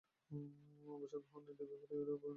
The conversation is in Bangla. অবসর গ্রহণের পর ডেভি ইউরোপের বিভিন্ন দেশে ভ্রমণে যান।